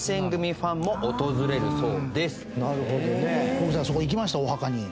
僕そこ行きましたお墓に。